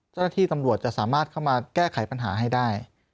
เจ้าหน้าที่ตำรวจจะสามารถเข้ามาแก้ไขปัญหาให้ได้